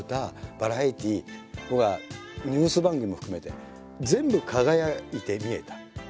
バラエティー僕はニュース番組も含めて全部輝いて見えた。